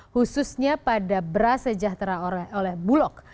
khususnya pada beras sejahtera oleh bulog